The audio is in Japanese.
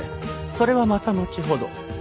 それはまたのちほど。